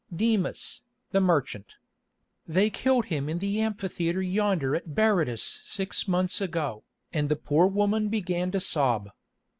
"Demas, the merchant. They killed him in the amphitheatre yonder at Berytus six months ago," and the poor woman began to sob.